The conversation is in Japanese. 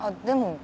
でも。